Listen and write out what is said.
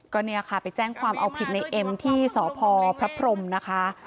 ก็เนี่ยค่ะไปแจ้งความเอาผิดในเอ็มที่สพพระพรมนะคะ